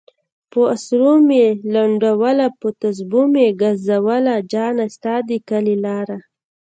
پہ اسرو میی لنڈولہ پہ تسپو میی گزولہ جانہ! ستا د کلی لارہ